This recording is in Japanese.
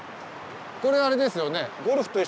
これあれですよね。